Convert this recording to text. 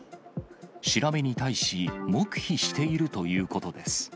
調べに対し、黙秘しているということです。